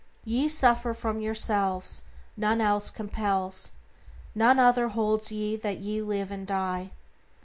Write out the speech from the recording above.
"Ye suffer from yourselves, none else compels, None other holds ye that ye live and die."